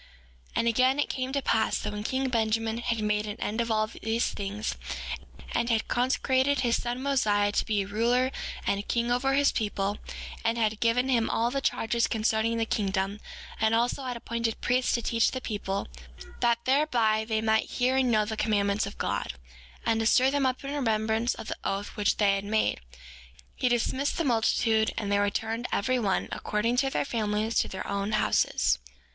6:3 And again, it came to pass that when king Benjamin had made an end of all these things, and had consecrated his son Mosiah to be a ruler and a king over his people, and had given him all the charges concerning the kingdom, and also had appointed priests to teach the people, that thereby they might hear and know the commandments of God, and to stir them up in remembrance of the oath which they had made, he dismissed the multitude, and they returned, every one, according to their families, to their own houses.